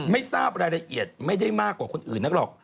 ไม่ทราบรายละเอียดไม่ได้มากกว่าคนอื่นนักหรอก